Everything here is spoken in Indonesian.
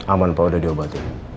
aman pak udah di obati